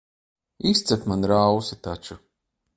Izcep man rausi taču.